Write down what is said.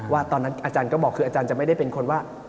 ตอนนั้นอาจารย์ก็บอกคืออาจารย์จะไม่ได้เป็นคนว่า